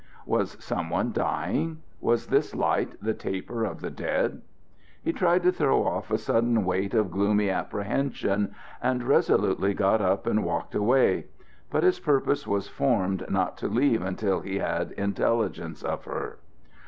Was some one dying? Was this light the taper of the dead? He tried to throw off a sudden weight of gloomy apprehension, and resolutely got up and walked away; but his purpose was formed not to leave until he had intelligence of her.